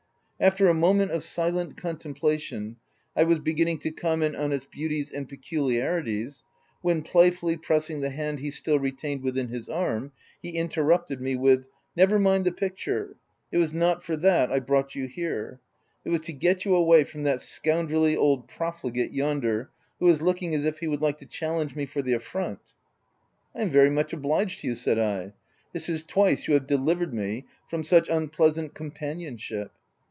After a moment of silent contemplation, I was begin ning to comment on its beauties and peculiar ities, when, playfully pressing the hand he still retained within his arm, he interrupted me with —" Never mind the picture, it was not for that I brought you here ; it was to get you away from that scoundrelly old profligate yonder who is looking as if he would like to challenge me for the affront.'' OF WILDFELL HALL. 3C5 u I am very much obliged to you/* said I. " This is twice you have delivered me from such unpleasant companionship."